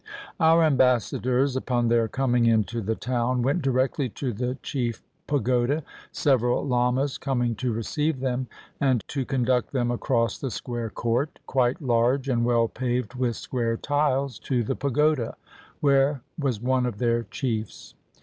] Our ambassadors, upon their coming into the town, went directly to the chief pagoda, several lamas coming to receive them and to conduct them across the square court, quite large and well paved with square tiles, to the pagoda, where was one of their chiefs.